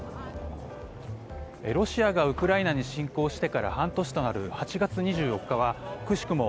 ロシアがウクライナに侵攻してから半年となる８月２４日はくしくも